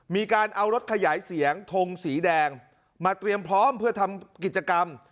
มีการเอารถขยายเสียงทงสีแดงมาเตรียมพร้อมเพื่อทำกิจกรรม